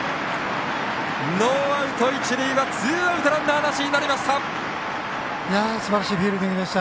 ノーアウト、一塁がツーアウトランナーなしになりました。